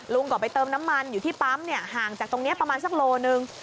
ก่อนไปเติมน้ำมันอยู่ที่ปั๊มเนี่ยห่างจากตรงนี้ประมาณสักโลหนึ่ง